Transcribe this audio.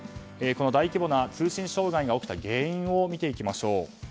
この大規模な通信障害が起きた原因を見ていきましょう。